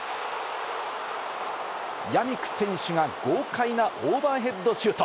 ヤミク選手が豪快なオーバーヘッドシュート。